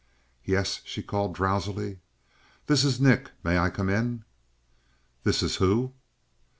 "Yes?" she called drowsily. "This is Nick. May I come in?" "This is who?"